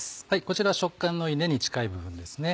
こちら食感のいい根に近い部分ですね。